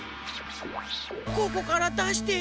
ここからだして。